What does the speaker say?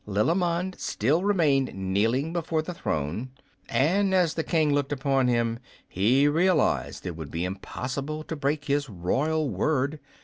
Lilimond still remained kneeling before the throne, and as the King looked upon him he realized it would be impossible to break his royal word.